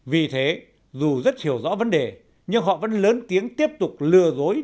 vì thế dù rất hiểu rõ vấn đề nhưng họ vẫn lớn tiếng tiếp tục lừa dối